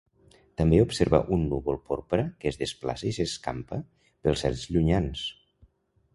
També observa un núvol porpra que es desplaça i s'escampa pels cels llunyans.